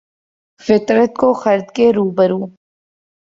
فطرت کو خرد کے روبرو